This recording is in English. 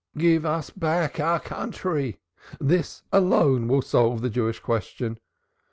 Give us back our country; this alone will solve the Jewish question.